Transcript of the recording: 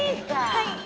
はい！